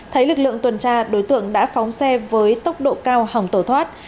thấy lực lượng tuần tra đối tượng đã phóng xe với tốc độ cao hỏng tổ thoát